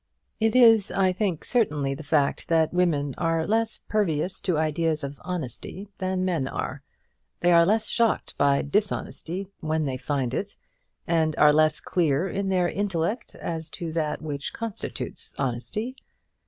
It is, I think, certainly the fact that women are less pervious to ideas of honesty than men are. They are less shocked by dishonesty when they find it, and are less clear in their intellect as to that which constitutes honesty.